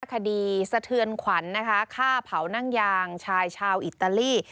คดีสะเทือนขวัญนะคะฆ่าเผานั่งยางชายชาวอิตาลี